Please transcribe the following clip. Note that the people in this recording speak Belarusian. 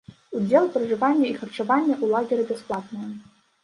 Удзел, пражыванне і харчаванне ў лагеры бясплатнае.